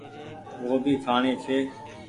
گوڀي کآڻي ڇي۔